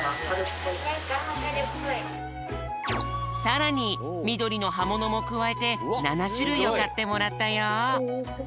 さらにみどりのはものもくわえて７しゅるいをかってもらったよ。